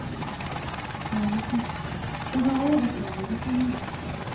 すみません人が多い場所は苦手なんです。